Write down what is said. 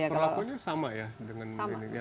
ya berlakunya sama ya